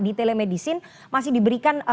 di telemedicine masih diberikan